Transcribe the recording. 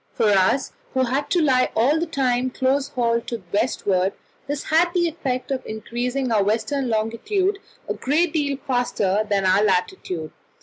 For us, who had to lie all the time close hauled to the westward, this had the effect of increasing our western longitude a great deal faster than our latitude.